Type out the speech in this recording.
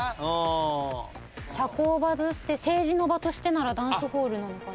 社交場として政治の場としてならダンスホールなのかな？